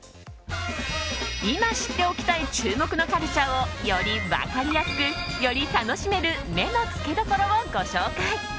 今知っておきたい注目のカルチャーをより分かりやすく、より楽しめる目のつけどころをご紹介。